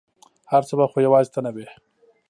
هر څه وه ، خو یوازي ته نه وې !